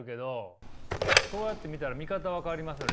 そうやって見たら見方は変わりますよね